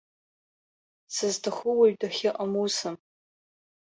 Сызҭаху уаҩ дахьыҟам усым.